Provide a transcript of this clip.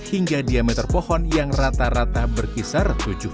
hingga diameter pohon yang rata rata berkisar tujuh puluh cm